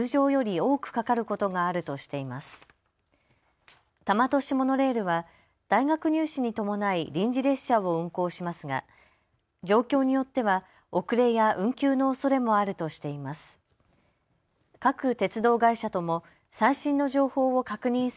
多摩都市モノレールは大学入試に伴い臨時列車を運行しますが状況によっては遅れや運休のおそれもあるとしています。